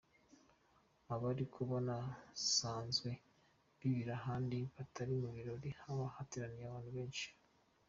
Aba ariko banasanzwe bibira n’ahandi hatari mu birori ahaba hateraniye abantu benshi.